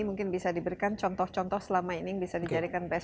mungkin bisa diberikan contoh contoh selama ini yang bisa dijadikan best